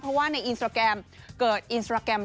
เพราะว่าในอินสตราแกรม